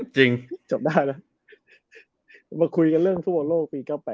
จบได้แล้วมาคุยกันเรื่องฟุตบอลโลก๒๐๐๘